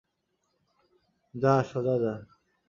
যা, সোজা যা।